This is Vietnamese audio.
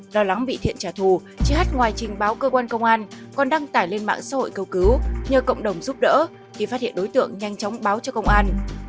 lo lắng bị thiện trả thù chị ht ngoài trình báo cơ quan công an còn đăng tải lên mạng xã hội cầu cứu nhờ cộng đồng giúp đỡ khi phát hiện đối tượng nhanh chóng báo cho công an